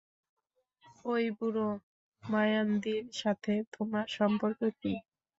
ওই বুড়ো মায়ানদির সাথে তোমার সম্পর্ক কী?